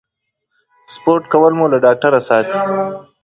سپورت کول مو له ډاکټره ساتي.